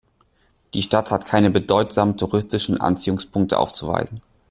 Die Stadt hat keine bedeutsamen touristischen Anziehungspunkte aufzuweisen.